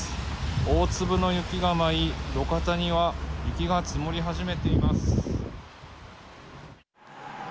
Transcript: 大粒の雪が舞い、路肩には雪が積もり始めています。